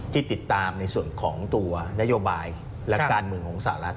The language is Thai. ที่ติดตามในส่วนของตัวนโยบายและการเมืองของสหรัฐ